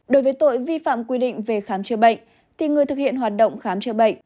đối với tội vi phạm quy định về khám chữa bệnh thì người thực hiện hoạt động khám chữa bệnh